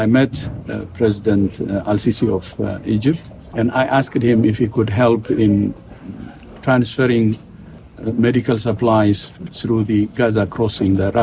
kedua dia telah berpikir untuk membantu orang orang palestina di gaza